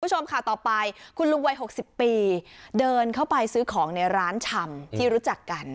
คุณผู้ชมค่ะต่อไปคุณลุงวัย๖๐ปีเดินเข้าไปซื้อของในร้านชำที่รู้จักกัน